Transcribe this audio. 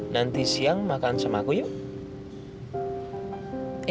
nanti siang makan sama aku yuk